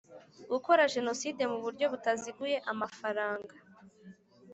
gukora jenoside mu buryo butaziguye amafaranga